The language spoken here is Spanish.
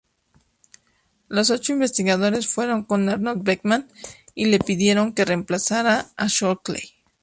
Los ocho investigadores fueron con Arnold Beckman y le pidieron que reemplazara a Shockley.